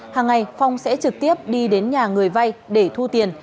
hàng ngày phong sẽ trực tiếp đi đến nhà người vay để thu tiền